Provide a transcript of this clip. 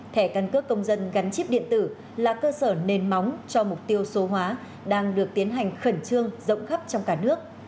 thẻ căn cước công dân gắn chip điện tử là cơ sở nền móng cho mục tiêu số hóa đang được tiến hành khẩn trương rộng khắp trong cả nước